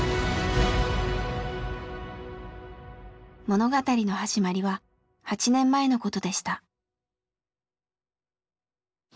物語の始まりは８年前のことでした。